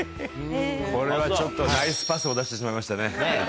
これはちょっとナイスパスを出してしまいましたね。